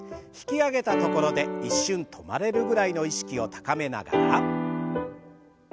引き上げたところで一瞬止まれるぐらいの意識を高めながら。